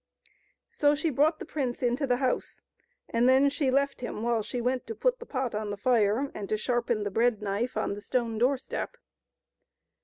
So she brought the prince into the house, and then she left him while she went to put the pot on the fire, and to sharpen the bread knife on the stone door step.